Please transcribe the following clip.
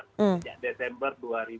sejak desember dua ribu dua puluh